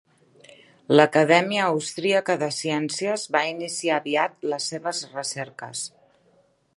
L'Acadèmia Austríaca de Ciències va iniciar aviat les seves recerques.